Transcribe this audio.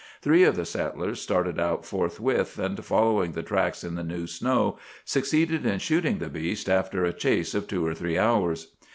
Three of the settlers started out forthwith, and following the tracks in the new snow, succeeded in shooting the beast after a chase of two or three hours.